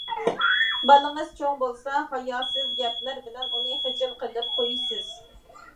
بالىڭىز چوڭ بولسا ھاياسىز گەپلەر بىلەن ئۇنى خىجىل قىلىپ قويىسىز.